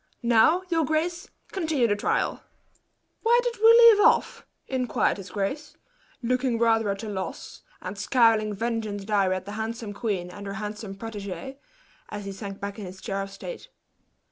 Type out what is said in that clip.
Now, your grace, continue the trial." "Where did we leave off?" inquired his grace, looking rather at a loss, and scowling vengeance dire at the handsome queen and her handsome protege, as he sank back in his chair of state.